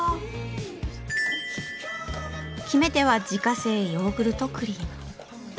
決め手は自家製ヨーグルトクリーム。